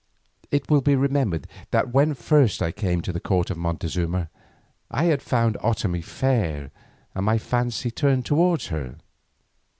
It will be remembered that when first I came to the court of Montezuma, I had found Otomie fair and my fancy turned towards her.